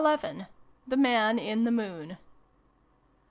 THE MAN IN THE MOON.